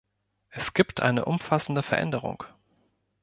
Es gibt eine umfassende Veränderung.